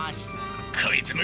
こいつめ！